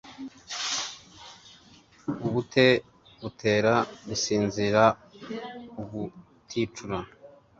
ubute butera gusinzira ubuticura,